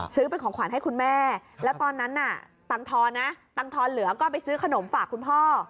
ซื้อเป็นของขวานให้คุณแม่แล้วตอนนั้นตังค์ทอเหลือก็ไปซื้อขนมฝากคุณพ่อ